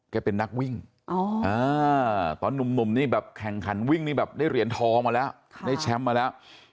เป็นนักวิ่งตอนหนุ่มนี่แบบแข่งขันวิ่งนี่แบบได้เหรียญทองมาแล้วได้แชมป์มาแล้ว